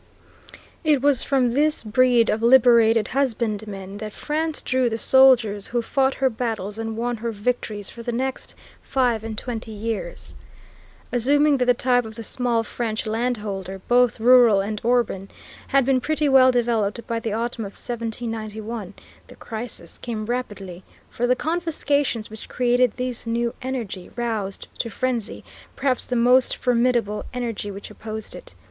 It was from this breed of liberated husbandmen that France drew the soldiers who fought her battles and won her victories for the next five and twenty years. Assuming that the type of the small French landholder, both rural and urban, had been pretty well developed by the autumn of 1791, the crisis came rapidly, for the confiscations which created this new energy roused to frenzy, perhaps the most formidable energy which opposed it.